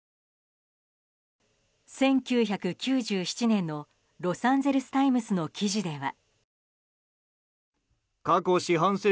１９９７年のロサンゼルス・タイムスの記事では。